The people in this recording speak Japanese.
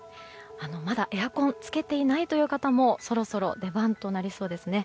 まだ、エアコンをつけていないという方もそろそろ出番となりそうですね。